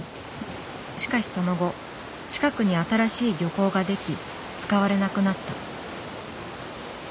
しかしその後近くに新しい漁港ができ使われなくなった。